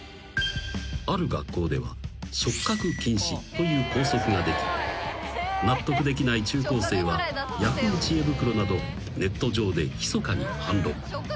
［ある学校では触覚禁止という校則ができ納得できない中高生はＹａｈｏｏ！知恵袋などネット上でひそかに反論］